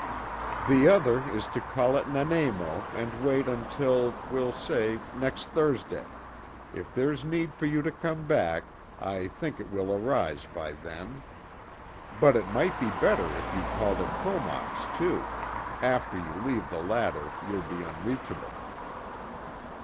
"The other is to call at Nanaimo and wait until, we'll say, next Thursday. If there's need for you to come back, I think it will arise by then; but it might be better if you called at Comox too after you leave the latter you'll be unreachable.